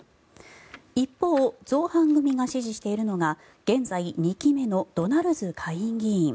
一方、造反組が支持しているのが現在２期目のドナルズ下院議員。